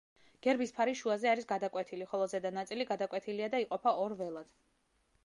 გერბის ფარი შუაზე არის გადაკვეთილი, ხოლო ზედა ნაწილი გადაკვეთილია და იყოფა ორ ველად.